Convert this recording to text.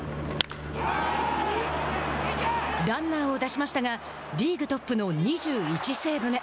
ランナーを出しましたがリーグトップの２１セーブ目。